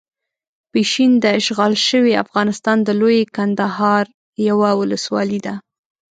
پشین داشغال شوي افغانستان د لويې کندهار یوه ولسوالۍ ده.